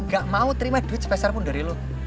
gue gak mau terima duit sepeserpun dari lo